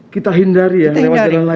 kita hindari ya lewat jalan lain